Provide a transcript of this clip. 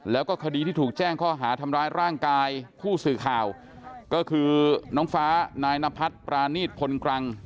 แล้วก็คดีที่ถูกแจ้งข้อหาทำร้ายร่างกายผู้สื่อข่าวก็คือน้องฟ้านายนพัฒน์ปรานีตพลกรัง